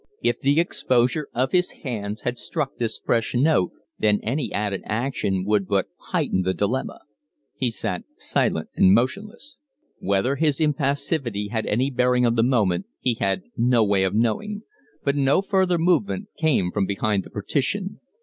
If the exposure of his hands had struck this fresh note, then any added action would but heighten the dilemma. He sat silent and motionless. Whether his impassivity had any bearing on the moment he had no way of knowing; but no further movement came from behind the partition.